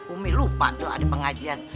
umi lupa doa di pengajian